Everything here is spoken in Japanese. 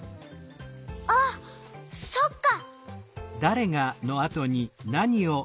あっそっか！